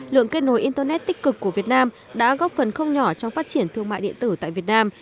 lượng kết nối internet tích cực của việt nam đã góp phần không nhỏ trong phát triển thương mại điện tử tại việt nam